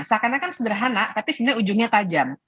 seakan akan sederhana tapi sebenarnya ujungnya tajam